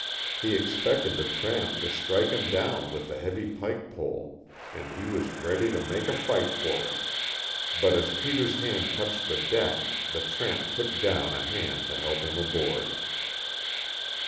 He expected the tramp to strike him down with the heavy pike pole, and he was ready to make a fight for it, but as Peter's hand touched the deck the tramp put down a hand to help him aboard.